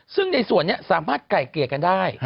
ซึ่งในส่วนนี้สามารถไก่เกลี่ยกันได้